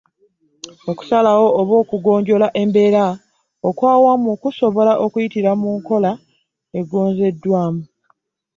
Okusalawo oba okugonjoola embeera okw’awamu kusoboka okuyitira mu nkola egonzeddwamu.